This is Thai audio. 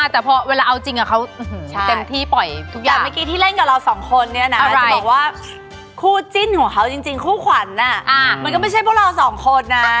แต่เมื่อกี้ที่เล่นกับเราสองคนเนี่ยนะจะบอกว่าคู่จิ้นของเขาจริงคู่ขวัญน่ะมันก็ไม่ใช่พวกเราสองคนนะ